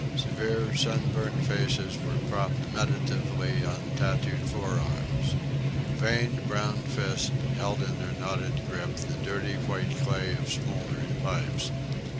Severe, sunburnt faces were propped meditatively on tattooed forearms. Veined, brown fists held in their knotted grip the dirty white clay of smouldering pipes.